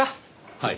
はい。